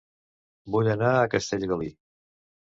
Vull anar a Castellgalí